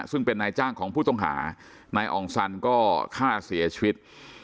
ซึ่งเป็นนายจ้างของผู้ต้องหานายอ่องสันก็ฆ่าเสียชีวิต